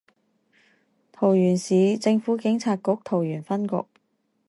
桃園市政府警察局桃園分局